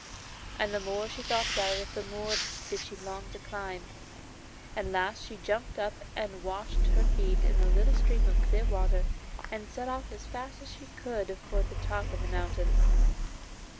And the more she thought about it the more did she long to climb. At last she jumped up and washed her feet in a little stream of clear water, and set off as fast as she could for the top of the moun tain.